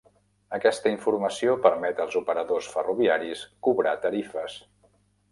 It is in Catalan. Aquesta informació permet als operadors ferroviaris cobrar tarifes.